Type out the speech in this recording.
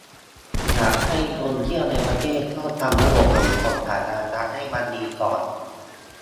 อยากให้คนเที่ยวในประเทศก็ทำระบบขนส่งสาธารณะให้มันดีก่อน